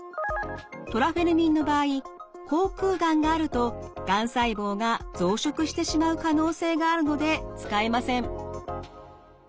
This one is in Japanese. トラフェルミンの場合口腔がんがあるとがん細胞が増殖してしまう可能性があるので使えません。